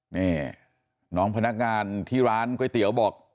นี่น้องพนักงานที่ร้านก๋วยเตี๋ยวบอก